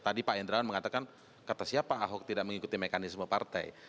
tadi pak endrawan mengatakan kata siapa ahok tidak mengikuti mekanisme partai